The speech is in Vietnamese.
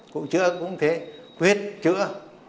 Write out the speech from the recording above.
chữa cũng thế quyết chữa